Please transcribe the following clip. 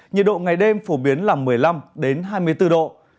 nhiệt độ ngày đêm phổ biến là một mươi năm hai mươi bốn độ